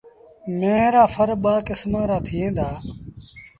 ميݩهن رآ ڦر ٻآ کسمآݩ رآ ٿئيٚݩ دآ۔